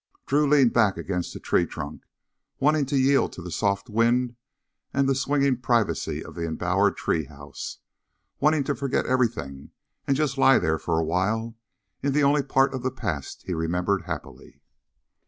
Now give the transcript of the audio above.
Drew leaned back against the tree trunk, wanting to yield to the soft wind and the swinging privacy of the embowered tree house, wanting to forget everything and just lie there for a while in the only part of the past he remembered happily.